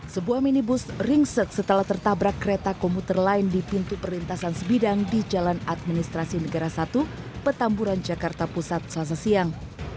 sebuah minibus ringset setelah tertabrak kereta komuter lain di pintu perlintasan sebidang di jalan administrasi negara satu petamburan jakarta pusat selasa siang